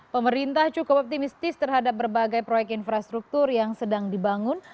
pemerintah cukup optimistis terhadap berbagai proyek infrastruktur yang sedang dibangun